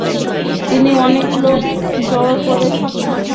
তিনি অনেক লোক জড়ো করতে সক্ষম হন।